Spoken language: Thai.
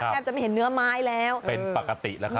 จะไม่เห็นเนื้อไม้แล้วเป็นปกติแล้วครับ